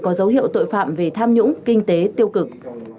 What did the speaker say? có dấu hiệu tội phạm về tham nhũng kinh tế tiêu cực